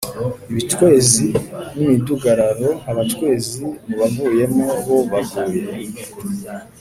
Ibicwezi ni midugararo abacwezi mu bavuyemo bo baguye